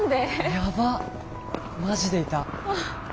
やばマジでいた。